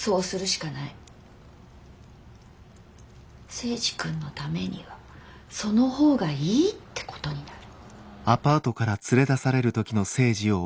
征二君のためにはその方がいいってことになる。